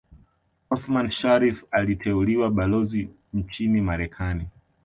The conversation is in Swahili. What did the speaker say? Othman Sharrif aliteuliwa Balozi nchini Marekani